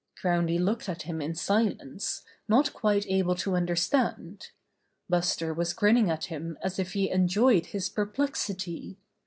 Groundy looked at him in silence, not quite able to understand. Buster was grinning at him as if he enjoyed his perplexity.